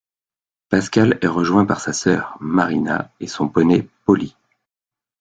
Pascal est rejoint par sa sœur, Marina, et son poney, Poly.